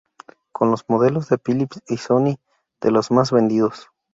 Con los modelos de Philips y Sony, de los más vendidos.